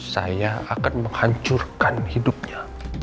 saya akan menghancurkan hidupnya